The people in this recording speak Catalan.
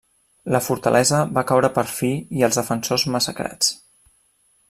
La fortalesa va caure per fi i els defensors massacrats.